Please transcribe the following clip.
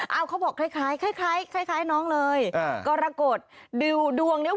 เอาตังค์ด้วยมั้ย